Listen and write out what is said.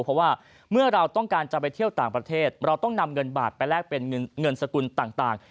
เพราะว่าเมื่อเราต้องการจะไปเที่ยวต่างประเทศเราต้องนำเงินบาทไปแลกเป็นเงินสกุลต่าง